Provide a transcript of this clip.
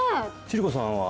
千里子さんは？